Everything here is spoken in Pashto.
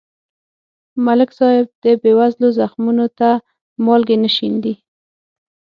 ملک صاحب د بېوزلو زخمونو ته مالګې نه شیندي.